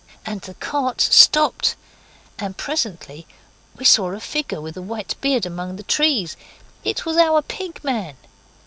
And the cart stopped. And presently we saw a figure with a white beard among the trees. It was our Pig man.